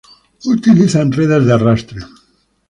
Utilizan redes de arrastre.